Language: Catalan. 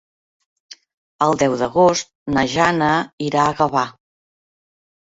El deu d'agost na Jana irà a Gavà.